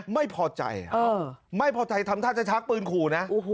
ไม่พอใจไม่พอใจทำท่าจะชักปืนขู่นะ